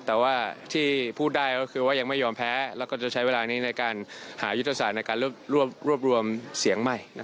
ถ้าเราจะศึกษาแล้วก็เดินหน้าต่อไปเลย